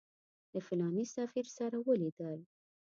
له فلاني سفیر سره ولیدل.